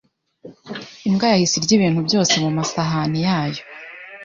Imbwa yahise irya ibintu byose mumasahani yayo.